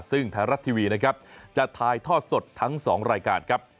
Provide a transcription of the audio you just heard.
ซึ่งไทยรัฐทีวีนะครับจะถ่ายทอดสดทั้ง๒รายการครับ